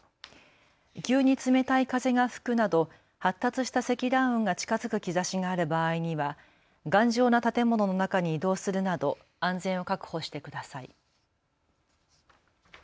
急に冷たい風が吹くなど発達した積乱雲が近づく兆しがある場合には頑丈な建物の中に移動するなど安全を確保してください。